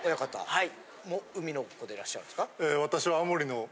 はい。